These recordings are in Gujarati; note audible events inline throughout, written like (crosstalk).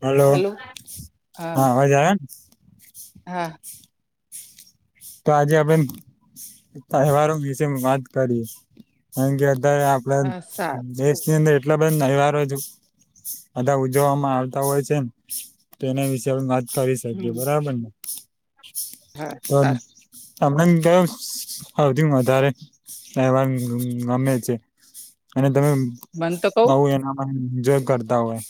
હલો હા (unintelligible) (unintelligible) તો આજે આબન. તહેવારો વિશે વાત કરી હા સારું (unintelligible) દેશ ની અંદર એટલા (unintelligible) બધા ઉજવવામાં આવતા હોય છે, ને તો એના વિશે વાત કરી શકીએ હમ બરાબર ને. હા સારું (unintelligible) તમને (unintelligible) વધારે અહેવાન ગમે છે, અને તમે. મને તો કવ (unintelligible) કરતા હોય.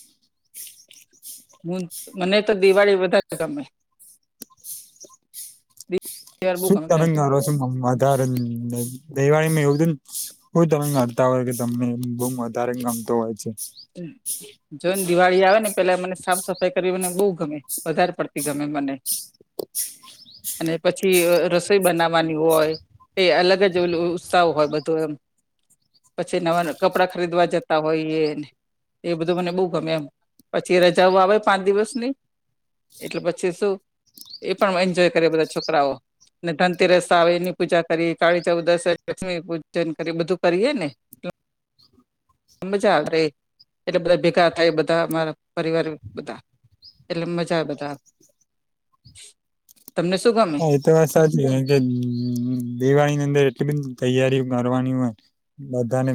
(unintelligible) મને તો દિવાળી વધારે ગમે. દિવાળ (inaudible) બહુ ગમે મને. દિવાળીમાં એવુંને તમે કરતા હોય કે તમને બઉ વધારે ગમતો હોય છે. હમ. જો ને દિવાળી આવે ને પેલા મને સાફ સફાઈ કરવી મને બહુ ગમે વધારે પડતી ગમે મને. અને પછી રસોઈ બનાવવાની હોય- એ અલગ જ ઉત્સાહ હોય બધું એમ- પછી નવા કપડાં ખરીદવા જતા હોઈએ- એ બધું મને બહુ ગમે એમ પછી રજાઓ આવે પાંચ દિવસની- એટલે પછી શું એ પણ એન્જોય કરે બધા છોકરાઓ- ને ધનતેરસ આવે એની પૂજા કરી કાળી ચૌદસ લક્ષ્મી પૂજન કરી બધું કરીએે ને- મજા આવે ર એટલે બધા ભેગા થાય બધા અમારા પરિવાર બધા- એટલે મજા બધા- (inaudible) તમને શું ગમે? હા એ સાચી કે દિવાળી ની અંદર એટલી બધી તૈયારી કરવાની હોય. બધાને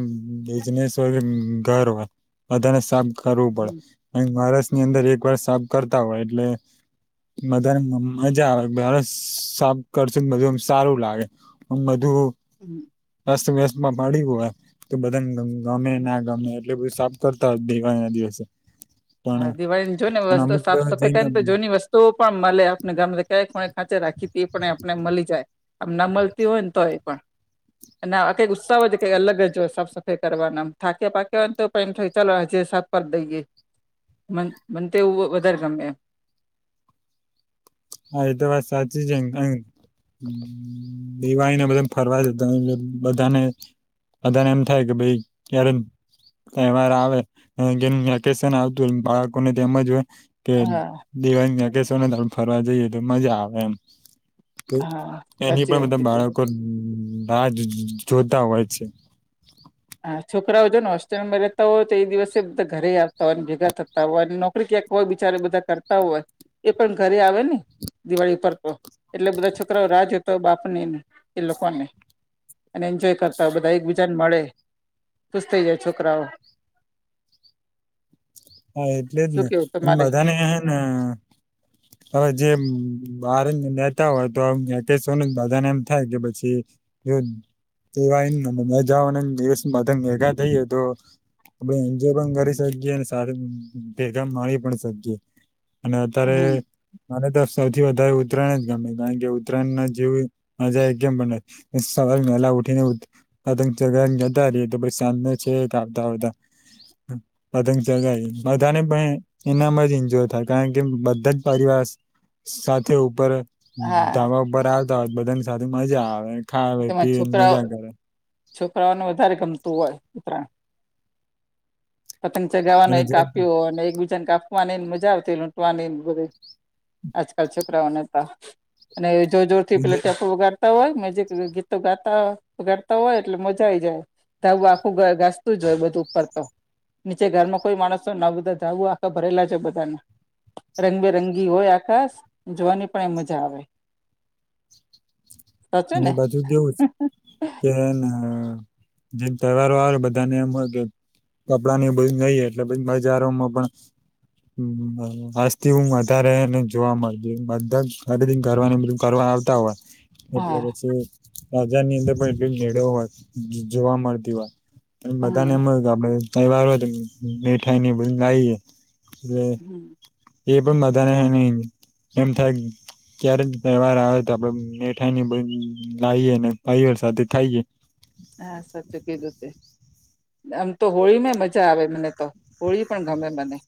બિઝનેસ હોય ઘર હોય બધાને સાબ કરવું પડે- અ મહારાષ્ટ્રની અંદર એક વારષ સાફ કરતા હોય એટલે- મધા ને મમ્મ જ આવે- સાફ કરશુંને બધું એમ સારું લાગે બધું- હમ અસ્ત વ્યસ્તમાં પાડ હો હોય તો બધાને ગમે ના ગમે એટલે બધું સા- કરતા હો ભેવાાણ ના દિવસે- હા પણ દિવાળીની જો ને વસ્તુ અમુક સાફ સફાઈ જઈને કરી તો જોની વસ્તુ- તો પણ મળે આપને ગર ક કોણે ખાંચે રાખી હતી એ પણ આપને મળી જાય- આમ ના મળતી હોય ને તો એ પણ- ના કંઈ ઉત્સાહ હો જ કઈ અલગ જ હોય સાફ સફાઈ કરવાના થાક્યા પાકને તો પણ એમ થ ચાલો હજે- ભર દઈએ- મ મવ વધારે ગમે- હ એ તો વા સાચી જ- દિવાળીને બધા ફરવા દેતા બધાને- બધાને એમ થાય કે ભાઈ ક્યારે- તહેવાર આવે જે વેકેશન આવતું હોય બાળકોને તેમજ હોય. કે હા દિવાલ ના કે સોના ત ફરવા જઈએ તો મજા આવે એમ- તો હા એની સાચી પણ વાત બધા કીધું બાળકો રાહ જોતા હોય છે. હા છોકરાઓ છે ને હોસ્ટેલમાં રહેતા હોય તો એ દિવસે બધા ઘરે આવતા હોયને ભેગા થતા હોય અને નોકરી ક્યાંક- હોય બિચારે બધા કરતા હોય એ પણ ઘરે આવે ને- દિવાળી ઉપર તો એટલે બધા છોકરાઓ રાજ હતો બાપનેને એ લોકોને- અને એન્જોય કરતા હોય બધા એકબીજાને મળે- ખુશ થઈ જાય છોકરાઓ- હા એટલે જ શું કેવું ને તમારે બધાને હે ને- હવે જે બાર નેતા હોય તોોને બધાને એમ થાય કે પછી- જોવાય જવાના દિવસ ભેગા થઈએ તો- એન્જોય પણ કરી શકીએ. ભેગા માણી પણ શકીજ અને હમ અત્યારે- મને તો સૌથી વધારે ઉત્તરાયણ જ ગમે કારણ કે ઉત્તરાયણ ના જવ મજા કેમ બને- સસ મેલા ઉઠીને- અધ જગ જતારી તો પશને છે. કાપતા હો અ જ બધાને પણ એનામાં જ એન્જોય થાય કારણ કે બધા જ પરિવાર- સાથે ઉપર ધાબ હા ઉપર આવતા હોય બધાની સાથે મજા આવે. ખાવે તેમાં પીવેને છોકરાઓ મજા કરે- છોકરાઓને વધારે ગમતું હોય. કારાણ- પતંગ ચગાવાનો અને કાપ્યો અને એકબીજા ને કાપવાનીને મજા આવતી લૂંટવાની બધ- આજકાલ છોકરાઓને તો અને જોર જોર થી પે જે ટેપ વગાડતા હોય મેજી- ગીતો ગાતા ગાતા હોય એટલે મજા આઈ જાય. ધું આખું ઘસતું જ હોય બધું ઉપર તો- નીચે ઘર કોઈ માણસ ના બધા જાવુ આખા ભરેલા છે બધાને- રંગબેરંગી હોય આકાશ જોવાની પણ એ મજા આવે. સાચુ ને - બું કેવું કે જેમ તહેવારો આવે બધા ને એમ હોય કે- કપડા એ બધ નઈ એટલેધ બજારોમાં પણ- હસ્થી હું વધારેને જોવા મળતી બધા ખરીદી કરવારની બધ- કરવા આવતા હોય. એટલે હા પછી રાજાની અંદર પણ એટલી નિળ હોય જોવા મળતી હોય. બ તાયા હમ (unintelligible) મ ગાલે જાયબ હજ મ મેઠા નને બ નાઈએ- હમ એ પણ બધાને નહ એમ થાય ગય. (unintelligible) ત્યારે જ તહેવાર આવે તો આપડે મઠાઈ ની બ લાઈએ ને પરવાળ સાથે થાયએ. હા સચ કીધતે- આમ તો હોળીમાં મજા આવે મને તો હોળી પણ ગમે મને-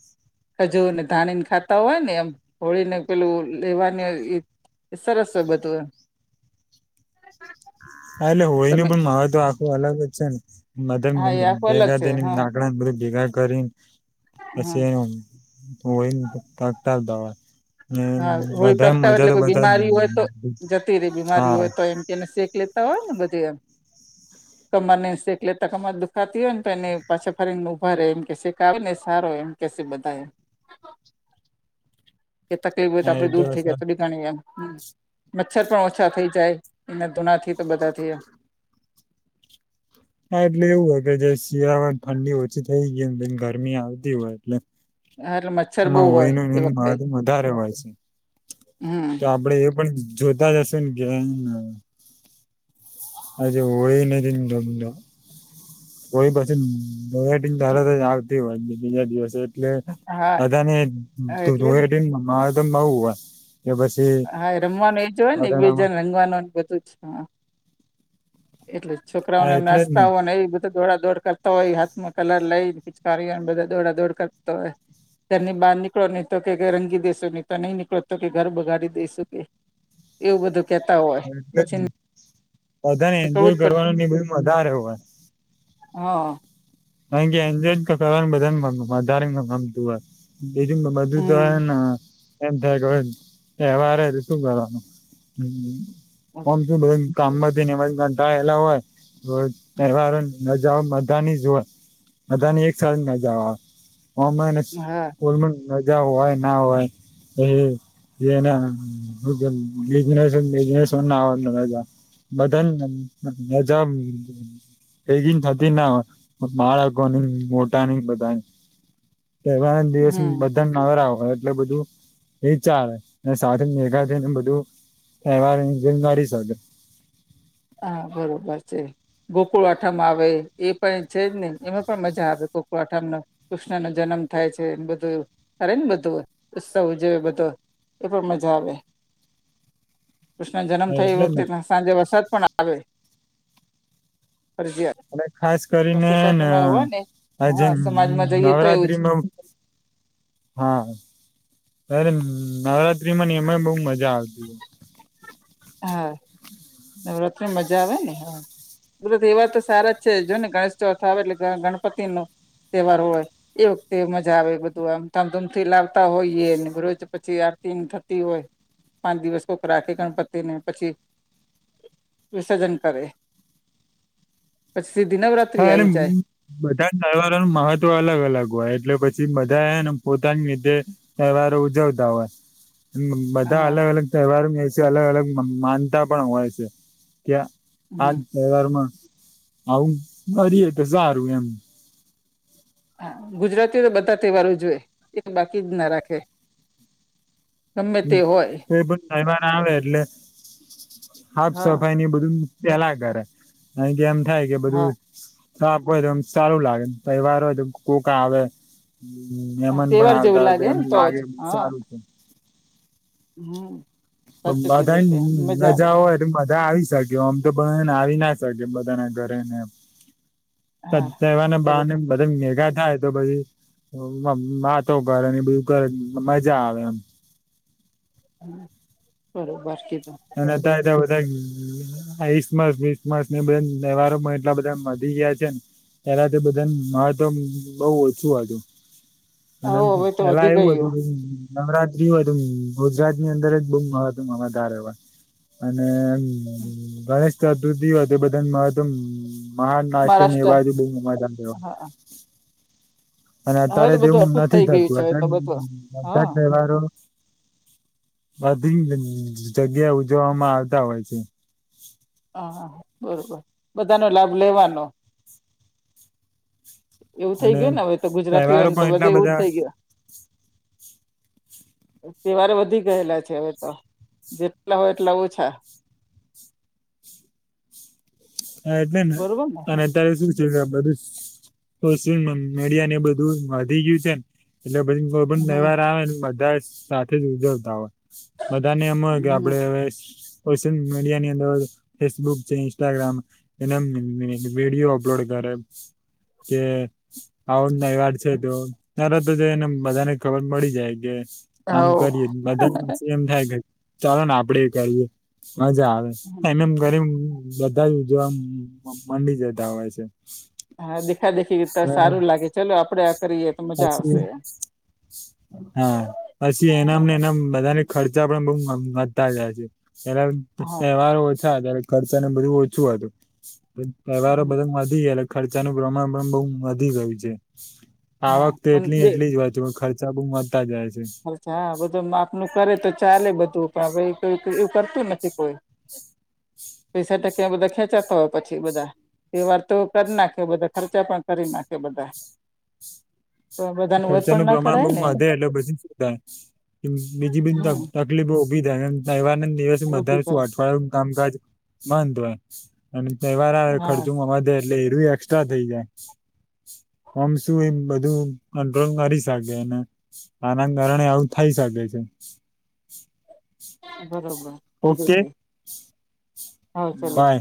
જ ને ધાણીને ખાતા હોય ને એમ હોળીને પેલું લેવાની- એ સરસો બતુંય એટલે તમે હોયનું પણ મહત્વ આખું અલગ જ છે ને- મ હા એ આખું અલગ ભેગા છે દે હા લાકડા બધ ભેગા કરી- હા પછી એ હોય તતા દવા- હા હોળી પ્રગટાવે એટલે કોઈ બીમારી હોય તો બધા જતી રે બીમારી હા હોય તો એમ- એને શેક લેતા હોય ને બધું એમ. હા- કમર ને શેક લેતા કમર દુખાતી હોય ને પણ એને પાછા ફરી ને ઊભા રે એમ કે શેક ને સારો એમ- કસે બતાયે- તકલીફ હોય તો હા એ આપણે દૂર થઈ જાય હા તબિ- ઘણી એમ મચ્છર પણ ઓછા થઈ જાય એના ધુનાથી તો બધા થઈ એમ, હા એટલે એવું હોય કે જે શિયાળ ઠંડી ઓછી થઈ ગઈ બે ગરમી આવતી હોય એટલે- (inaudible) એમાં હોય હોયનું એ એનું માધમ વધારે હોય છે, હમ્મ તો આપડે એ પણ જોતા જશે ને કેને- આજે હોળી એન નિ દોમંદ- કોઈ પછીટી તારે તો જ આવતી હોય બીજા દિવસે એટલે- હા બધાને એટલે જ. ધવડી માં એવું હોય પછી- હા એ રમવાનું એ જ હોય ને એક બે બધાનામાં જણ રંગવાનુંને બધું જ હા- એટલે હા છોકરાઓને એટલે જ નાસ્તા હોય ને એ બધું- દોડા દોડ કરતા હોય હાથમાં કલર લઈને પિચકારીને બધા દોડા દોડ કરતો હોય- તેની બહાર નીકળો ન તો કેઈ રંગી દઈસું નહીં તો નહી નીકળો તો કે ઘર બગાડી દઈશું કે, એવું બધું કેતા હોય પછી- બધા ને નીકળવું એન્જોય જ પડે કરવાનો ને બધ મારેવ હો- હા કારણ કે એન્જોય કરવાની બધાને વધારે માં ગમતું હોઈ છે. એ મધુદ હમ ના એમ થાય ગ એવારે શું કરવાનું આમ શું (unintelligible) કામમાંંધાયેલા હોય પરહેવારણ નજાઓ બધાની જ હોય, (unintelligible) બધાની એક સાળ નાજાવા નો હા સ્કુલ મા- મજા હોય ના હોય, (unintelligible) બધન મજા હેગીન થતી ના હોઈ. બાળકો નહી મોટા નહિ બધા તહેવાર દિવસી હમ બધા. તમને નવરા હોય એટલે બધું એ ચાલે સાથે મેઘા થઈ ને બધું તહેવારની જિમાવારી સમજે. હા બરોબર છે. ગોકુળ આઠમ આવે એ પણ છે, જ ને એમાં પણ મજા આવે ગોકુળ આઠમના. કૃષ્ણ નો જન્મ થાય છે, એ બધું કરે ને બધું ઉત્સવ ઉજવે બધો એ પણ મજા આવે કૃષ્ણ જન્મ થયો એ એટલે જ વખતે ને સાંજે વરસાદ પણ આવે ફરજિયાત. અને ખાસ કરીને ને સોસાયટીમાં આ હોય ને આ હા જેમ સમાજમાં જઈએ તો એવું જ નવરાત્રીમાં હા ડાયરેક્ટ નવરાત્રીમાંની અમે બઉ મજા આવતી. હા નવરાત્રા મજા આવે ને હા. પ તહેવાર તો સારા જ છે, જો ને ગણેશ ચોથ આવે એટલે ગણ ગણપતિ નો તહેવાર હોય. એ વખતે મજા આવે બધું આમ ધામધૂમથી લાવતા હોઈએને રોજ પછી આરતી થતી હોય. પાંચ દિવસ કોક રાખે ગણપતિ. તેને પછી વિસર્જન કરે. પછી શીઘી ન. હારમ. બધા તહેવારો નુ મહત્વ અલગ અલગ હોય એટલે પછી બધા એને પોતાની લીધે તહેવારે ઉજવતા હોય. બધા હા અલગ અલગ તહેવારો દિવસે અલગ અલગ મ માનતા પણ હોય છે કે આ. હાલ હમ તહેવારમાં આવું કરીએ તો સારું એમ. હા ગુજરાતીઓ તો બધા તહેવારો ઉજવે એક બાકી જ ના રાખે. ગમે તો તે હોય કોઇ પણ તેવહાર આવે એટલે હાફ હા સફાઈ ની બધું. પેલા કરે અહી કે એમ થાય કે હા બધું. સાફ હોય તો એમ સારું લાગે તહેવાર હોય તો કોક આવે હા, મેમાન પણ તહેવાર આવતા જેવું હોય તો એમ ને જ લાગે હા સારું હમ સાચું બધા કીધું તે ને મજા આવે રજા હોય બધા આવી શકે ઓમ તો ને આવી ના શકે એમ બધાના ઘરે ને એમ ત હા તેહવાર ને બાને બરોબર બધા ભેગા થાય તો પછી માતો ઘર અને બધું ઘર મજા આવે એમ બરોબર (inaudible) (unintelligible) હા ઈસમસ વિસમસ ને બધા તહેવારોમાં એટલા બધા વધી ગયા છે. પેલાથી બધા ને મા તો બો ઓછું હતું પેલા હવ એમ કે હવે તો પેલા વધી એવું ગયું હતું. નવરાત્રી હોય તો ગુજરાત ની અંદર બો મહત્વ વઘારે હોય. અને એમ ગણેશ ચતુર્થી હોય તે બધા (unintelligible) મહા નાશતા એ મહારાષ્ટ્ર બાજુ બ ઉ (unintelligible) હા અને હવે અત્યારે તો બધું તેવું અટું જ નથી થઈ ગયું થતું છે હવે અત્યારે તો બધું બધા હા જ તેવારો બધી જગ્યા ઉજવવામાં આવતા હોય છે હા હા બરોબર બધાને લાભ લેવાનો એવું થઈ અને ગયું ને હવે તો તેવારો ગુજરાતીઓને તો પણ બધે એટલા એવું જ બધા થઈ ગયું તેવારે વધી ગયેલા છે હવે તો જેટલા હોય એટલા ઓછા હા એટલે ને અને અત્યારે શું છે બધું સોશિયલ મીડિયા ને બધું વધી ગયું છે ને એટલે પછી કોઈ પણ હમ તહેવાર આવે ને બધા સાથે જ ઉજવતા હોય બધાને એમ હોય કે હમ આપડે હવે સોશિયલ મીડિયા ની અંદર ફેસબુક છે ઇન્સ્ટાગ્રામ એના વિડીયો અપલોડ કરે (unintelligible) આવો નો તેવાર છે, તો ત્યારે તો એને બધાને ખબર મળી જાય કે આમ હવ કરીએ બધા એમ થાય કે ચાલો ને આપડે કરીએ મજા આવે એમ એમ ઘરે બધા જો આમ મમાંડી જતા હોય છે હા દેખા દેખી તો સારું લાગે ચલો આપડે આ કરીએ તો મજા પછી આવશે હા પછી હા એનામને એના બધાને ખર્ચા પણ બહુ વધતા જાય છે, ત્યારે હા તહેવારો ઓછા ત્યારે ખર્ચાને બધુ ઓછું હતું (unintelligible) વધી ખર્ચાનું પ્રમાણ પણ બો વધી ગયું છે. આવક તો પણ એટલી દે એટલી જ હોય છે, પણ ખર્ચા બોઉુ વધતા જાય છે. હા બધું માપનું કરે તો ચાલે બધું પણ કોઈ એવું કરતું નથી કોઈ પૈસા (unintelligible) બધા ખેંચાતા હોય પછી બધા કોઈ વાર તો કરી નાખે બધા ખર્ચા પણ કરી નાખે બધા તો બધાને વધ પણ ખર્ચાનું ના પ્રમાણ કરાય (unintelligible) ને એમ વધે એટલે પછી સુધાય બીજી બીજી હમ તકલીફો ઉભી થાય એ તેવાર ના દિવસ ઓછી બધાને શું થાય અઠવાડિય કામકાજ બંધ હોય અને તેવાર આવે હા ખર્ચો અ એટલે એરું એકસ્ટ્રા થઈ જાય આમ શું એમ બધું કંટ્રોલ કરી શકે અને આના કારણે આવું થઈ શકે છે બરોબરજ કીધું ઓકે તે હા ચાલો બાય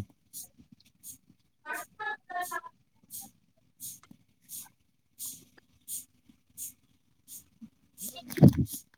(inaudible)